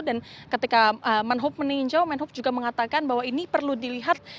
dan ketika menhub meninjau menhub juga mengatakan bahwa ini perlu dilihat